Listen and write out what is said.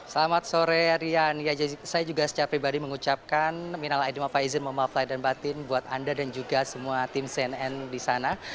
selamat sore rian saya juga secara pribadi mengucapkan minal aidima faizin mohon maaf lahir dan batin buat anda dan juga semua tim cnn di sana